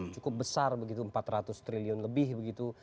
cukup besar begitu empat ratus triliun lebih begitu